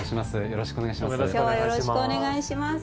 よろしくお願いします。